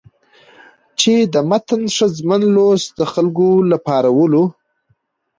چې د متن ښځمن لوست د خلکو له راپارولو